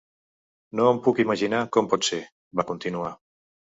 No em puc imaginar com pot ser, va continuar.